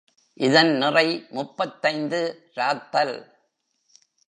இதன் நிறை முப்பத்தைந்து ராத்தல்.